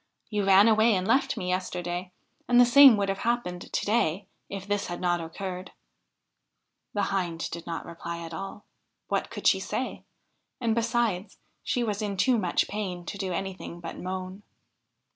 You ran away and left me yesterday, and the same would have happened to day if this had not occurred.' The Hind did not reply at all; what could she say? And besides, she was in too much pain to do anything but moan.